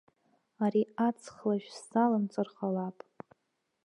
Ари аҵхлашә сзалымҵыр ҟалап.